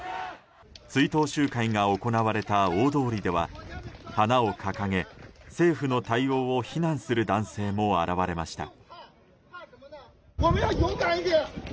追悼集会が行われた大通りでは花を掲げ、政府の対応を非難する男性も現れました。